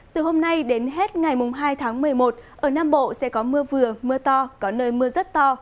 từ hôm nay đến hết ngày hai tháng một mươi một ở nam bộ sẽ có mưa vừa mưa to có nơi mưa rất to